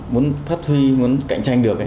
muốn phát huy muốn cạnh tranh được